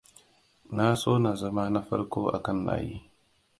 Na so na zama na farko akan layi.